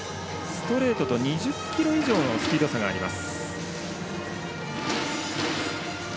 ストレートと２０キロ以上のスピード差があります。